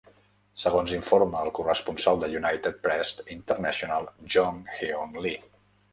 Segons informa el corresponsal de United Press International Jong-Heon Lee.